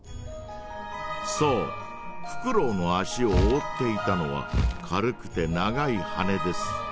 そうフクロウの足をおおっていたのは軽くて長いはねです。